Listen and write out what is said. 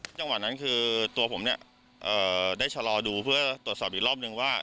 จังหวะนั้นคือตัวผมเนี่ยได้ชะลอดูเพื่อตรวจสอบอีกรอบนึงว่า